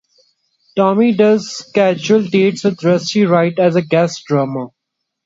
Tommy does casual dates with Rusty Wright as guest drummer.